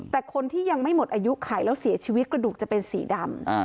แต่คนที่ยังไม่หมดอายุไขแล้วเสียชีวิตกระดูกจะเป็นสีดำ